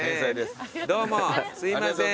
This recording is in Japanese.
どうもすいません。